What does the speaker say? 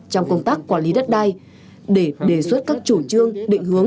trong công tác quản lý đất đai để đề xuất các chủ trương định hướng